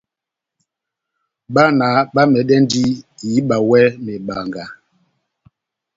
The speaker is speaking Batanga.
Bána bamɛdɛndi ihíba iwɛ mebanga.